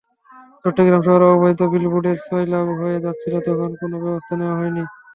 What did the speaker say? চট্টগ্রাম শহর অবৈধ বিলবোর্ডে সয়লাব হয়ে যাচ্ছিল তখন কোনো ব্যবস্থা নেওয়া হয়নি।